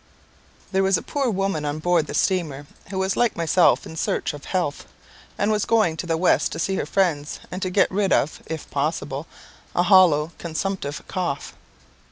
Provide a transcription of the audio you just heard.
There was a poor woman on board the steamer, who was like myself in search of health, and was going to the West to see her friends, and to get rid of (if possible) a hollow, consumptive cough.